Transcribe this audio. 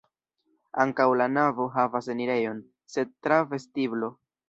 Ankaŭ la navo havas enirejon, sed tra vestiblo.